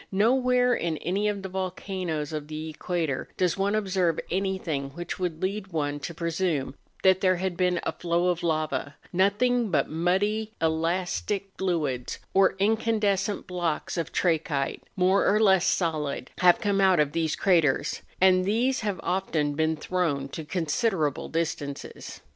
Nowhere in any of the volcanoes of the equator does one observe anything which would lead one to pre¬ sume that there had been a flow of lava; nothing but muddy, elastic fluids, or incandescent blocks of trachyte, more or less solid, have come out of these craters, and these have often been thrown to con¬ siderable distances.